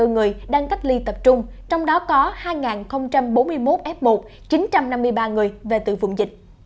ba chín mươi bốn người đang cách ly tập trung trong đó có hai bốn mươi một f một chín trăm năm mươi ba người về từ vùng dịch